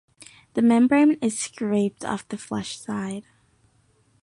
The membrane is scraped off the flesh side.